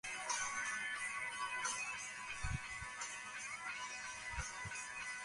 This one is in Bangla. বিশ্ববাজারের প্রভাবে দুই সপ্তাহের ব্যবধানে দেশের বাজারেও আবার সোনার দাম বাড়ছে।